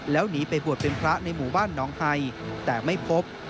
แล้วหนีไปบวชเป็นพระในหมู่บ้านน้องไฮแต่ไม่พบ